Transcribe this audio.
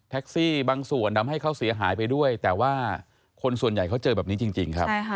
บางส่วนทำให้เขาเสียหายไปด้วยแต่ว่าคนส่วนใหญ่เขาเจอแบบนี้จริงครับ